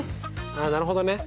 ああなるほどね。